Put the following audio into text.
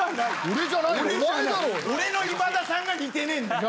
俺の今田さんが似てねぇんだよ。